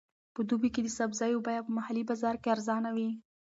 په دوبي کې د سبزیو بیه په محلي بازار کې ارزانه وي.